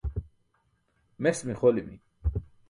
Mes mixolimi.